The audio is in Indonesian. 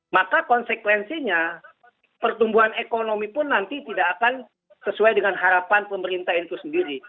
maka konsekuensinya pertumbuhan ekonomi pun nanti tidak akan sesuai dengan harapan pemerintah itu sendiri